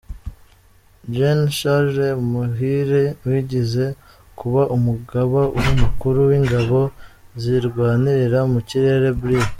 Gen Charles Muhire wigeze kuba Umugaba Mukuru w’Ingabo zirwanira mu Kirere; Brig.